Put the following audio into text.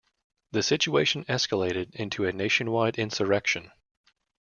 The situation escalated into a nationwide insurrection.